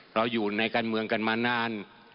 เราอยู่ในการเมืองกันมานาน